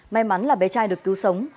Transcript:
may mắn là bé trai được cứu sống